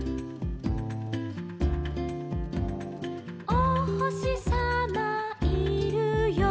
「おほしさまいるよ」